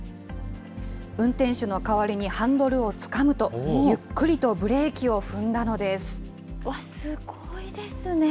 運転手の代わりにハンドルをつかむと、ゆっくりとブレーキを踏んだのです。